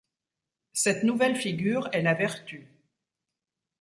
Cette nouvelle figure est la vertu.